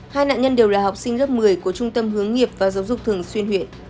hai nạn nhân đều là học sinh lớp một mươi của trung tâm hướng nghiệp và giáo dục thường xuyên huyện